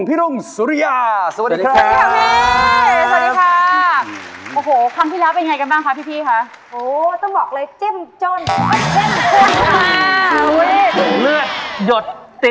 เหลือดนัคนร้องเหรอ